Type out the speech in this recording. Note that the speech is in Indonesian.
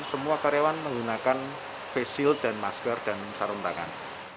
semua karyawan menggunakan face shield dan masker dan sarung tangan